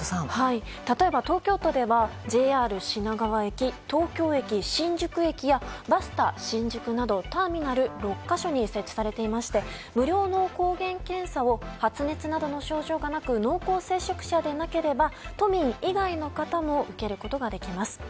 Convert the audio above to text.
例えば、東京都ではＪＲ品川駅、東京駅、新宿駅やバスタ新宿などターミナル６か所に設置されていまして無料の抗原検査を発熱などの症状がなく濃厚接触者でなければ都民以外の方も受けることができます。